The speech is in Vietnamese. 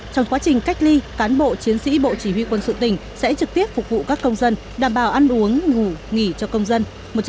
trong quá trình cách ly cán bộ chiến sĩ bộ chỉ huy quân sự tỉnh sẽ trực tiếp phục vụ các công dân đảm bảo ăn uống ngủ nghỉ cho công dân